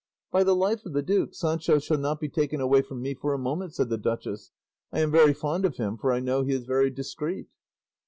"By the life of the duke, Sancho shall not be taken away from me for a moment," said the duchess; "I am very fond of him, for I know he is very discreet."